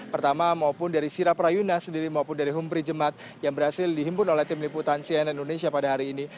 pertama maupun dari siraprayuna sendiri maupun dari humbrijemat yang berhasil dihimpun oleh tim liputan cnn indonesia pada hari ini